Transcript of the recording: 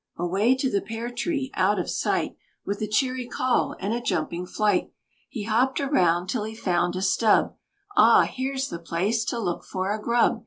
Away to the pear tree out of sight, With a cheery call and a jumping flight! He hopped around till he found a stub, Ah, here's the place to look for a grub!